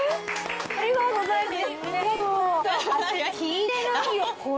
ありがとうございます。